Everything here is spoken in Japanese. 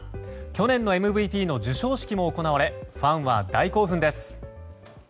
去年のＭＶＰの授賞式も行われファンは大興奮です。